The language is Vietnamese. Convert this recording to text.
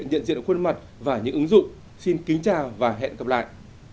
nhận diện khuôn mặt và những ứng dụng xin kính chào và hẹn gặp lại